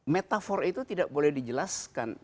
metafor itu tidak boleh dijelaskan